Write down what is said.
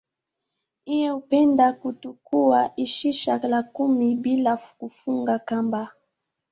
Iye hupenda kutukua ichicha lakuni bila kufunga kamba.